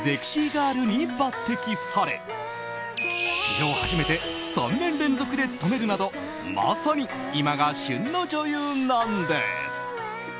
ガールに抜擢され史上初めて３年連続で務めるなどまさに今が旬の女優なんです。